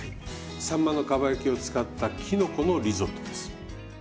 さんまのかば焼きを使ったきのこのリゾットです。